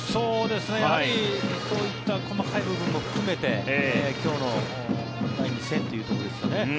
そういった細かい部分も含めて今日の第２戦というところですよね。